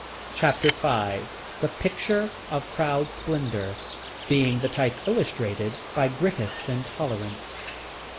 Chapter V The Picture of Crowd Splendor, being the type illustrated by Griffith's Intolerance.